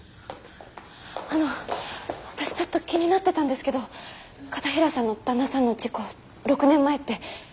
あの私ちょっと気になってたんですけど片平さんの旦那さんの事故６年前って。